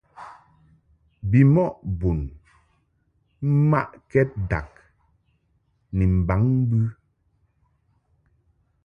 Bimɔʼ bun mmaʼkɛd dag ni mbaŋ mbɨ.